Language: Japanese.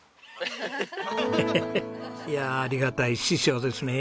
ヘヘヘッいやあありがたい師匠ですねえ。